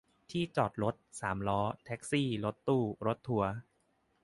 ที่จอดรถ สามล้อ แท็กซี่ รถตู้ รถทัวร์